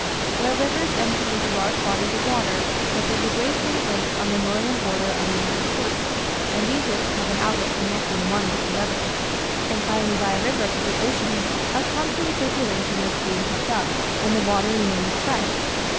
Where rivers empty into large bodies of water, such as the great chain of lakes on the northern border of the United States (and these lakes have an outlet connecting one with the other, and finally by a river to the ocean) a constant circulation is being kept up, and the water remains fresh.